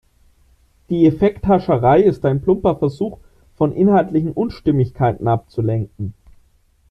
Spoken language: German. Die Effekthascherei ist ein plumper Versuch, von inhaltlichen Unstimmigkeiten abzulenken.